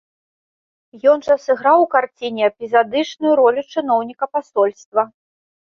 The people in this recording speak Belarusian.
Ён жа сыграў у карціне эпізадычную ролю чыноўніка пасольства.